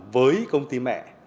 với công ty mẹ